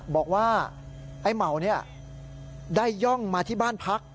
บอกว่าไอ้เหมาเนี่ยได้ย่องมาที่บ้านพัก